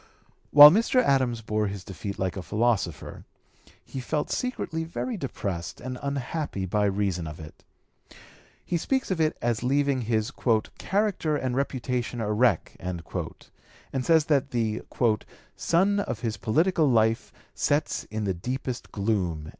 While Mr. Adams bore his defeat like a philosopher, he felt secretly very depressed and unhappy by reason of it. He speaks of it as leaving his "character and reputation a wreck," and says that the "sun of his political life sets in the deepest gloom."